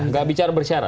nggak bicara bersarat